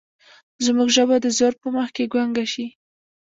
زموږ ژبه د زور په مخ کې ګونګه شي.